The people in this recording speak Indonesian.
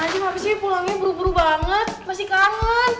taranji abis ini pulangnya buru buru banget masih kangen